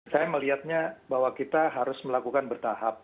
saya melihatnya bahwa kita harus melakukan bertahap